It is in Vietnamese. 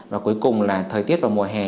và cuối cùng là thời tiết vào mùa hè